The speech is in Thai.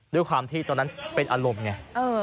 ด้วยความที่ตอนนั้นเป็นอารมณ์ไง